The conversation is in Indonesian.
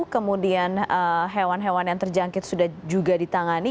kemudian hewan hewan yang terjangkit sudah juga ditangani